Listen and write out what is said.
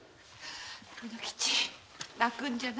卯之吉泣くんじゃないよ！